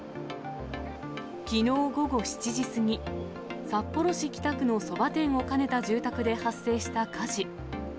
きのう午後７時過ぎ、札幌市北区のそば店を兼ねた住宅で発生した火事。